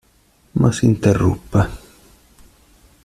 Ma s'interruppe.